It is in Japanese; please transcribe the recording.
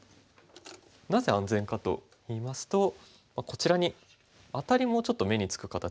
なぜ安全かといいますとこちらにアタリもちょっと目につく形です。